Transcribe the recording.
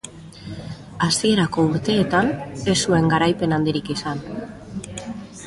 Hasierako urteetan ez zuen garaipen handirik izan.